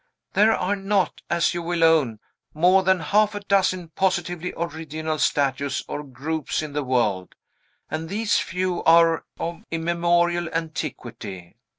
There are not, as you will own, more than half a dozen positively original statues or groups in the world, and these few are of immemorial antiquity.